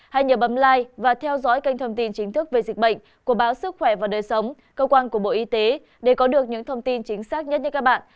hay nhờ bấm lai và theo dõi kênh thông tin chính thức về dịch bệnh của báo sức khỏe và đời sống cơ quan của bộ y tế để có được những thông tin chính xác nhất các bạn